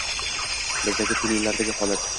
Bizdagi tunnellardagi holat!